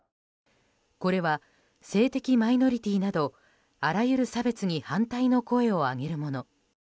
これは性的マイノリティーなどあらゆる差別に反対の声を上げるもの。